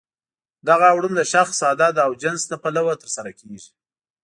دغه اوړون د شخص، عدد او جنس له پلوه ترسره کیږي.